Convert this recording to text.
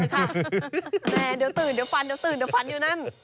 แต่เดี๋ยวตื่นเดี๋ยวฝันเดี๋ยวตื่นเดี๋ยวฝันอยู่นั่น